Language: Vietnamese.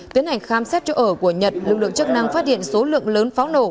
tiến hành khám xét chỗ ở của nhật lực lượng chức năng phát hiện số lượng lớn pháo nổ